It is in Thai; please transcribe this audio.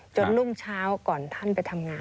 รุ่งเช้าก่อนท่านไปทำงาน